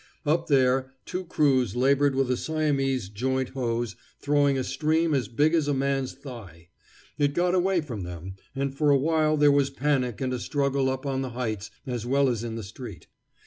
Up there two crews labored with a Siamese joint hose throwing a stream as big as a man's thigh. It got away from them, and for a while there was panic and a struggle up on the heights as well as in the street.